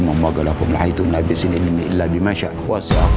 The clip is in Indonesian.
coba pak diangkat lagi pak